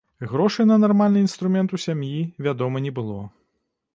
Грошай на нармальны інструмент у сям'і, вядома, не было.